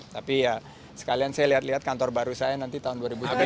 tapi ya sekalian saya lihat lihat kantor baru saya nanti tahun dua ribu tujuh belas